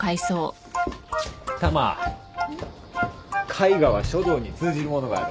絵画は書道に通じるものがある